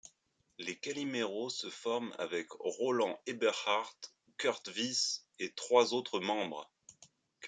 Les Calimeros se forment avec Roland Eberhart, Kurt Wyss et trois autres membres.